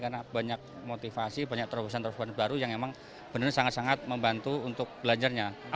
karena banyak motivasi banyak terobosan terobosan baru yang memang benar benar sangat sangat membantu untuk belajarnya